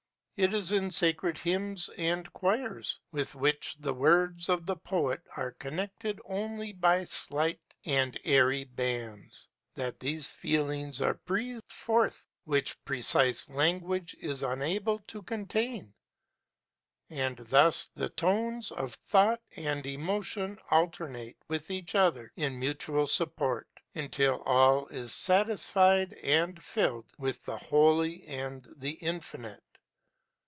It is in sacred hymns and choirs, with which the words of the poet are connected only by slight and airy bands, that those feelings are breathed forth which precise language is unable to contain; and thus the tones of thought and emotion alternate with each other in mutual support, until all is satisfied and filled with the Holy and the Infinite.